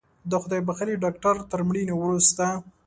د خدای بښلي ډاکتر تر مړینې وروسته